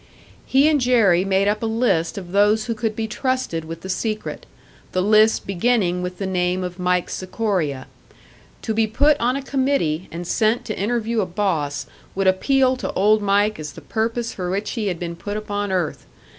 He and Jerry made up a list of those who could be trusted with the secret: the list beginning with the name of Mike Sikoria. To be put on a committee, and sent to interview a boss, would appeal to Old Mike as the purpose for which he had been put upon earth!